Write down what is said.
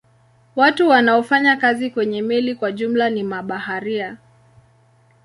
Watu wanaofanya kazi kwenye meli kwa jumla ni mabaharia.